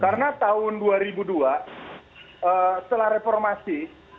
karena tahun dua ribu dua setelah reformasi